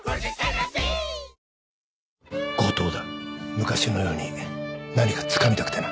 昔のように何かつかみたくてな。